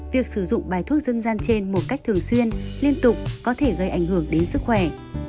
việc sử dụng bài thuốc dân gian trên một cách thường xuyên liên tục có thể gây ảnh hưởng đến sức khỏe